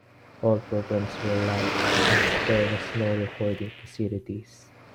All programs were live as there were no recording facilities.